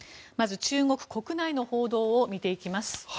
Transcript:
まず中国国内の報道を見ていきます。